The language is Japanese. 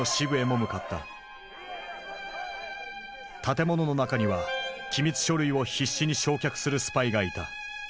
建物の中には機密書類を必死に焼却するスパイがいた。